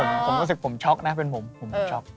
ผมก็สิบผมช็อกนะเป็นผมผมเป็นช็อก